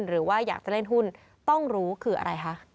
หรือว่าอยากจะเล่นหุ้นต้องรู้คืออะไรคะ